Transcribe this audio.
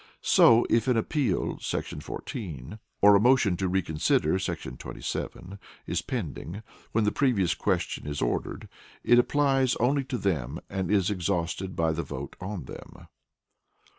So if an Appeal [§ 14] or a motion to Reconsider [§ 27] is pending when the Previous Question is ordered, it applies only to them and is exhausted by the vote on them.